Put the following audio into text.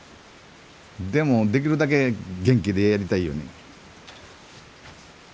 でもできるだけ元気でやりたいよね。